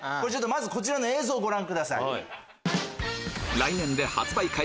まずこちらの映像ご覧ください。